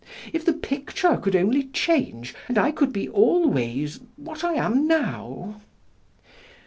If the picture could only change, and I could be always what I am now!"